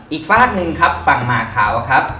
ฝากหนึ่งครับฝั่งหมาขาวครับ